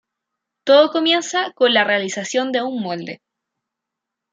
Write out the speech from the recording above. Todo comienza con la realización de un molde.